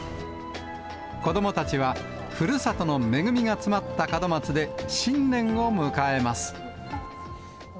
子どもたちは、ふるさとの恵みが詰まった門松で、新年を迎えます。